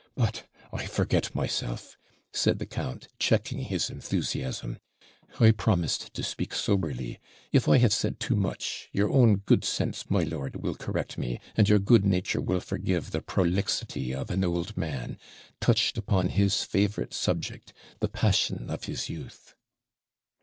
But I forget myself,' said the count, checking his enthusiasm; 'I promised to speak soberly. If I have said too much, your own good sense, my lord, will correct me, and your good nature will forgive the prolixity of an old man, touched upon his favourite subject the passion of his youth.'